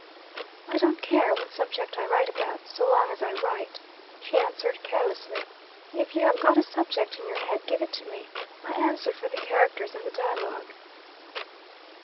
'I don't care what subject I write about, so long as I write,' she answered carelessly. 'If you have got a subject in your head, give it to me. I answer for the characters and the dialogue.'